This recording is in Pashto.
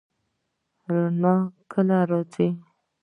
رڼا کله راځي؟